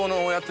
お！